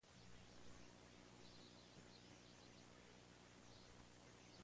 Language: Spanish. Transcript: Nunca se nacionalizó argentino, ni siquiera pudo obtener la residencia.